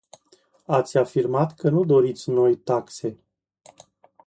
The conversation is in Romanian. Ați afirmat că nu doriți noi taxe.